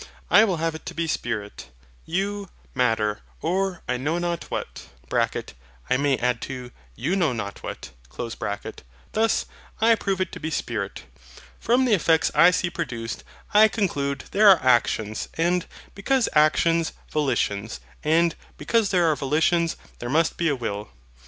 I will have it to be Spirit, you Matter, or I know not what (I may add too, you know not what) Third Nature. Thus, I prove it to be Spirit. From the effects I see produced, I conclude there are actions; and, because actions, volitions; and, because there are volitions, there must be a WILL.